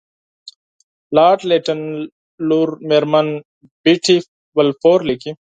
لارډ لیټن لور میرمن بیټي بالفور لیکي.